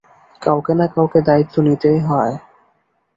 কাউকে না কাউকে দায়িত্ব নিতেই হয়।